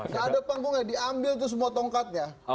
gak ada panggungnya diambil tuh semua tongkatnya